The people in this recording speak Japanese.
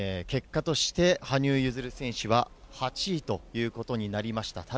結果として、羽生結弦選手は８位ということになりました。